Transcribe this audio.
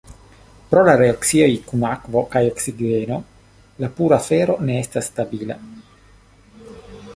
Pro la reakcioj kun akvo kaj oksigeno, la pura fero ne estas stabila.